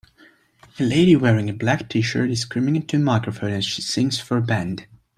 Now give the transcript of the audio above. A lady wearing a black tshirt is screaming into a microphone as she sings for a band.